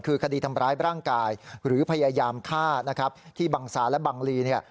คือคดีทำร้ายร่างกายหรือพยายามฆ่านะครับที่บังซาและบังลีเนี่ย